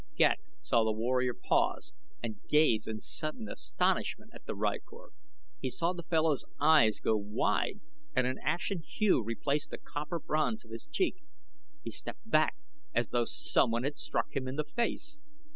Ghek saw the warrior pause and gaze in sudden astonishment at the rykor; he saw the fellow's eyes go wide and an ashen hue replace the copper bronze of his cheek. He stepped back as though someone had struck him in the face.